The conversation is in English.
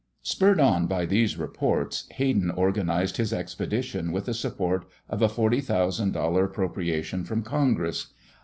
] Spurred on by these reports, Hayden organized his expedition with the support of a $40,000 appropriation from Congress.